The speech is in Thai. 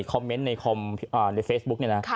คอมเมนต์ในคอมในเฟซบุ๊คเนี่ยนะ